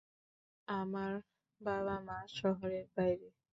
আমার বাবা মা শহরের বাইরে!